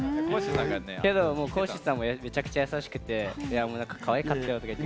けど、ＫＯ‐ＳＨＩＮさんもめちゃくちゃ優しくてかわいかったよとか言って。